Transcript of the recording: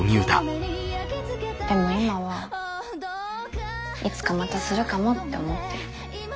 でも今はいつかまたするかもって思ってる。